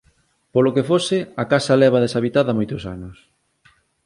Polo que fose, a casa leva deshabitada moitos anos.